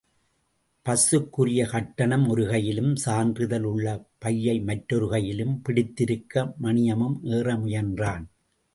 பஸ்ஸுக்குரிய கட்டணம் ஒரு கையிலும், சான்றிதழ் உள்ள பையை மற்றொரு கையிலும் பிடித்திருக்க, மணியும் ஏற முயன்றான்.